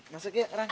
masuk ya rang